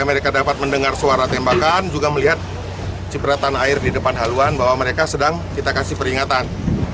mereka dapat mendengar suara tembakan juga melihat cipratan air di depan haluan bahwa mereka sedang kita kasih peringatan